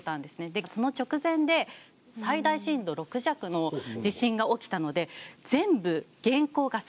でその直前で最大震度６弱の地震が起きたので全部原稿が差し替わって。